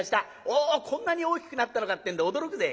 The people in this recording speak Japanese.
おおこんなに大きくなったのかってんで驚くぜ。